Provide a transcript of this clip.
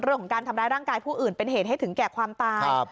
เรื่องของการทำร้ายร่างกายผู้อื่นเป็นเหตุให้ถึงแก่ความตาย